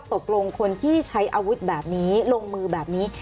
ตกลงคนที่ใช้อาวุธแบบนี้ลงมือแบบนี้